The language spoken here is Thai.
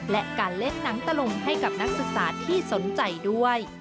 และการเล่นหนังตะลุงให้กับนักศึกษาที่สนใจด้วย